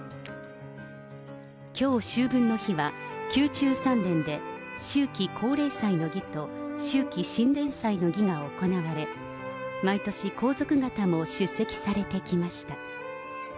きょう秋分の日は、宮中三殿で秋季皇霊祭の儀と秋季神殿祭の儀が行われ、毎年、皇族方も出席されてきました。